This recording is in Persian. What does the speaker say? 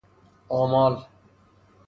آمال